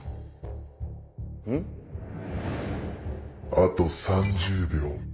あと３０秒。